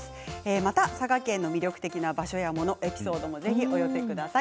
また佐賀県の魅力的な場所や物エピソードもお寄せください。